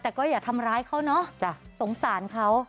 แต่ก็อย่าทำร้ายเขาเนอะสงสารเขา